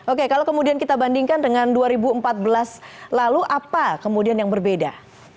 oke kalau kemudian kita bandingkan dengan dua ribu empat belas lalu apa kemudian yang berbeda